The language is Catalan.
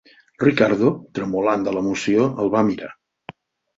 Ricardo, tremolant de l'emoció, el va mirar.